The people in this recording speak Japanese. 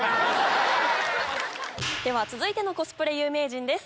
⁉では続いてのコスプレ有名人です